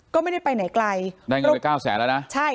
ก็ไม่ได้ไปไหนไกลได้เงินไปเก้าแสนแล้วนะใช่